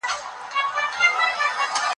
او تیارې په مانا معرفي سو.